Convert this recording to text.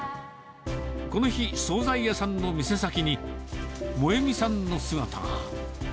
この日、総菜屋さんの店先に、萌実さんの姿が。